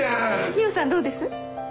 海音さんどうです？